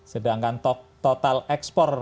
sedangkan total ekspor